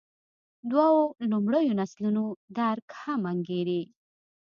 دوو لومړیو نسلونو درک مهم انګېري.